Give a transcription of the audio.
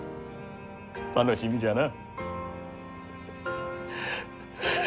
楽しみじゃな。